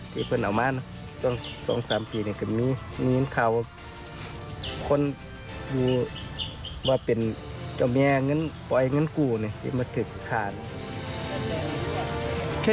ตรงสามปีก็มีข้าวว่าคนดูว่าเป็นเจ้าแม่แล้วปล่อยกับกูแล้วมาถึงกับข้า